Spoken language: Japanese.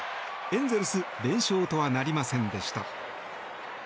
エンゼルス連勝とはなりませんでした。